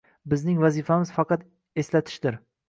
Bizning vazifamiz faqat eslatishdir.